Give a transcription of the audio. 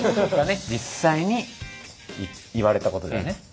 実際に言われたことだよね？